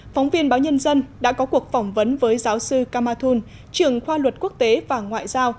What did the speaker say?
phóng viên báo nhân dân đã có cuộc phỏng vấn với giáo sư kamathun trưởng khoa luật quốc tế và ngoại giao